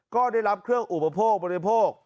ก็ได้รับเครื่องอุปโภคบริโภค